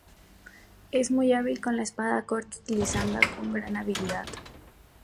Es muy hábil con la espada corta, utilizando con gran habilidad.